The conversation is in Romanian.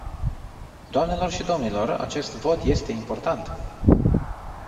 Doamnelor și domnilor, acest vot este important.